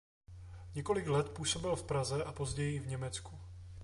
Několik let působil v Praze a později v Německu.